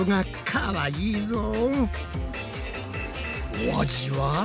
お味は？